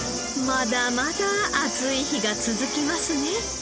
まだまだ暑い日が続きますね。